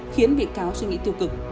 khiến bị cáo suy nghĩ tiêu cực